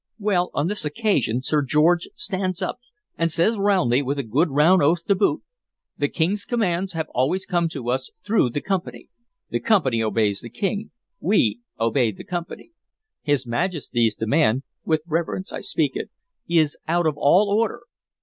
Well, on this occasion Sir George stands up and says roundly, with a good round oath to boot: 'The King's commands have always come to us through the Company. The Company obeys the King; we obey the Company. His Majesty's demand (with reverence I speak it) is out of all order.